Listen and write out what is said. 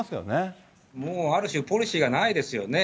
もうある種、ポリシーがないですよね。